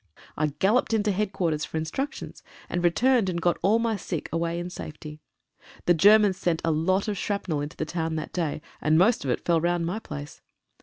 I galloped into headquar ters for instructions, and returned and got all my sick away in safety. The Germans sent a lot of shrapnel into the town that day, and most of it fell round my place.